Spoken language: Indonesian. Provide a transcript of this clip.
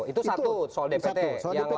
itu satu soal dpt